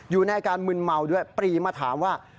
อยู่ในอาการมึนเมาด้วยปรีมาถามว่า